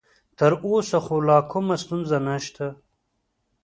تر اوسه خو لا کومه ستونزه نشته.